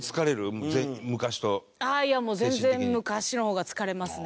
もう全然昔の方が疲れますね。